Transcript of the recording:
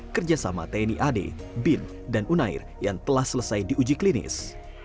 kerjasama tni ad bin dan unair yang telah selesai diuji klinis